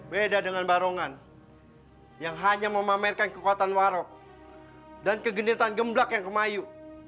beda dengan barongan yang hanya memamerkan kekuatan warok dan kegendetan gemblak yang kemayu